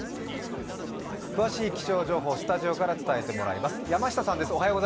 詳しい気象情報をスタジオから伝えてもらいます。